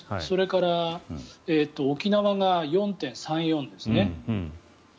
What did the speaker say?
それから沖縄が４．３４ですね。